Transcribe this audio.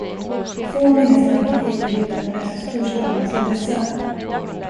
Få minnesmärken i Egypten är så storslagna som dessa.